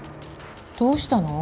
どうしたの？